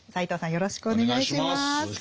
よろしくお願いします。